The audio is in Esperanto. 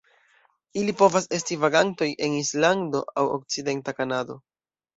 Ili povas esti vagantoj en Islando aŭ okcidenta Kanado.